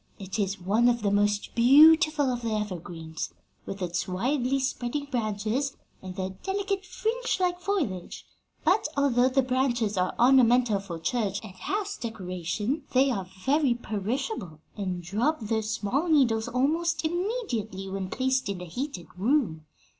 It is one of the most beautiful of the evergreens, with its widely spreading branches and their delicate, fringe like foliage; but, although the branches are ornamental for church and house decoration, they are very perishable, and drop their small needles almost immediately when placed in a heated room.